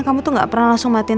kamu tilit starting